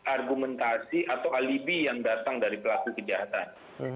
argumentasi atau alibi yang datang dari pelaku kejahatan